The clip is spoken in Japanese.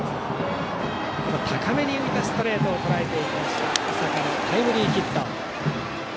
高めに浮いたストレートをとらえていった井坂タイムリーヒット。